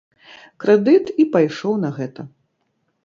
Крэдыт і пайшоў на гэта.